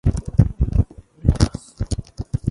木漏れ日が漏れる